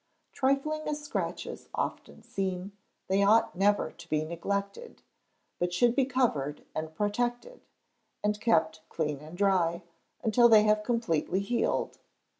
Trifling as scratches often seem, they ought never to be neglected, but should be covered and protected, and kept clean and dry, until they have completely healed.